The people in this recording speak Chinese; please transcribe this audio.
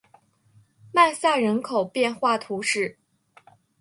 曼萨人口变化图示